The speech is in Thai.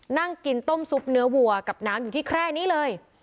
นั่งกินต้มซุปเนื้อวัวกับน้ำอยู่ที่แคร่นี้เลย